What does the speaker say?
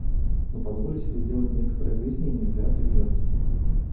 Но позволю себе сделать некоторое пояснение для определенности.